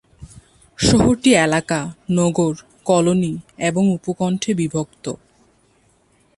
শহরটি এলাকা, নগর, কলোনি এবং উপকন্ঠে বিভক্ত।